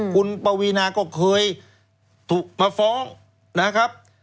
คุณปวีนาก็เคยถูกมาฟ้องนะครับ